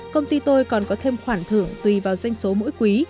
công ty tôi còn có thêm khoản thưởng tùy vào doanh số mỗi quý